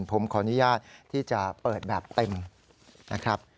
ผมขออนุญาตที่จะเปิดแบบเต็มนะครับ